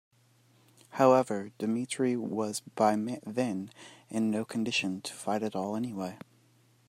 However, Dmitri was by then in no condition to fight at all anyway.